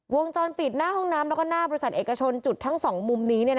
วงจรปิดหน้าห้องน้ำแล้วก็หน้าบริษัทเอกชนจุดทั้งสองมุมนี้